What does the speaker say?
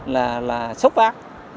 là sốc bác